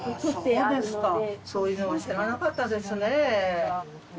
そうですかそういうのは知らなかったですねえ。